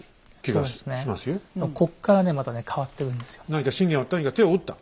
何か信玄はとにかく手を打った？